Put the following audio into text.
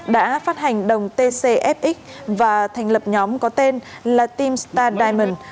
đã phát hành đồng tcfx và thành lập nhóm có tên là team star diamond